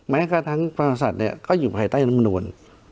แม้กระทั้งประธาษัตริย์ก็อยู่ภายใต้น้ำนวล